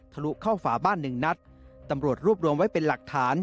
ลุเข้าฝาบ้านหนึ่งนัดตำรวจรวบรวมไว้เป็นหลักฐาน